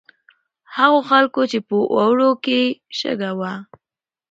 هغو خلکو چې په اوړو کې یې شګه وه.